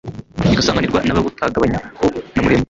Bigasanganirwa n' ab' i Butagabanya ho na Muremure,